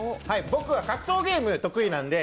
僕は格闘ゲーム得意なんで。